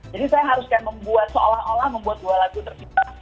jadi saya harus kayak membuat seolah olah membuat dua lagu tercipta